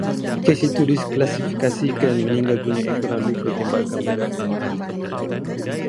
Kes itu diklasifikasikan meninggal dunia ekoran luka tembakan berganda di bahagian dada